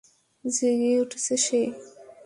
জেগে ওঠেছে সে।